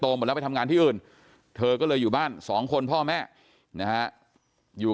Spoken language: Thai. หมดแล้วไปทำงานที่อื่นเธอก็เลยอยู่บ้านสองคนพ่อแม่นะฮะอยู่